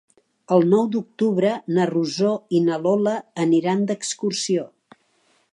El nou d'octubre na Rosó i na Lola aniran d'excursió.